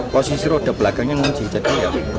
posisi roda belakangnya menguji